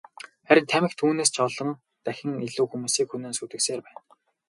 Харин тамхи түүнээс ч олон дахин илүү хүмүүсийг хөнөөн сүйтгэсээр байна.